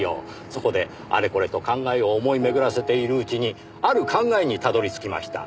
そこであれこれと考えを思い巡らせているうちにある考えにたどり着きました。